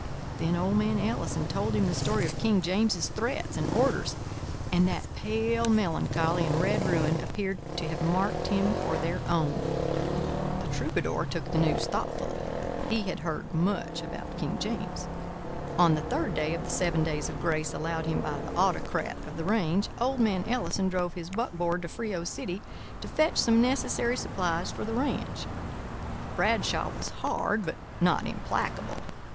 Then old man Ellison told him the story of King James's threats and orders and that pale melancholy and red ruin appeared to have marked him for their own. The troubadour took the news thoughtfully. He had heard much about King James. On the third day of the seven days of grace allowed him by the autocrat of the range, old man Ellison drove his buckboard to Frio City to fetch some necessary supplies for the ranch. Bradshaw was hard but not implacable.